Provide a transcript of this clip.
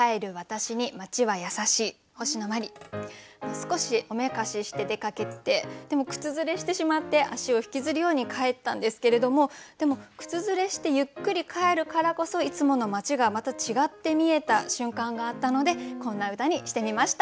少しおめかしして出かけてでも靴ずれしてしまって足を引きずるように帰ったんですけれどもでも靴ずれしてゆっくり帰るからこそいつもの町がまた違って見えた瞬間があったのでこんな歌にしてみました。